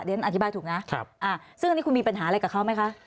เดี๋ยวจะอธิบายถูกนะซึ่งว่านี่คุณมีปัญหาอะไรกับเขาไหมคะ